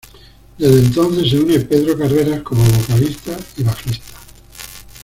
Desde entonces, se une Pedro Carreras como vocalista y bajista.